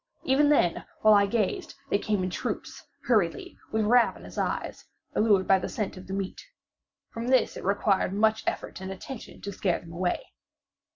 Even then, while I gazed, they came up in troops, hurriedly, with ravenous eyes, allured by the scent of the meat. From this it required much effort and attention to scare them away.